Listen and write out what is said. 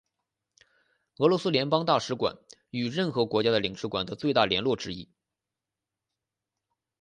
俄罗斯联邦大使馆与任何国家的领事馆的最大的联络之一。